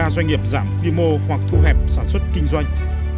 năm trăm năm mươi ba doanh nghiệp giảm quy mô hoặc thu hẹp sản xuất kinh doanh